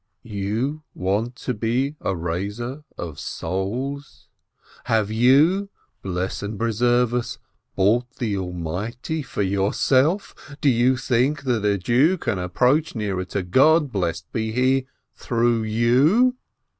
"You want to be a raiser of souls? Have you, bless and preserve us, bought the Almighty for yourself ? Do you think that a Jew can approach nearer to God, blessed is He, through you?